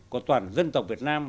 của toàn dân tộc việt nam